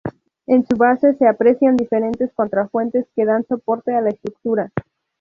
En su base se aprecian diferentes contrafuertes que dan soporte a la estructura.